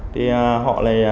thì họ lại